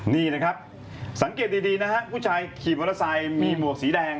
นี่นะครับสังเกตดีนะฮะผู้ชายขี่มอเตอร์ไซค์มีหมวกสีแดง